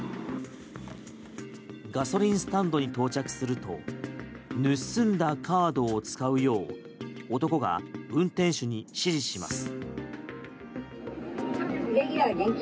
ガソリンスタンドに到着すると盗んだカードを使うよう男が運転手に指示します。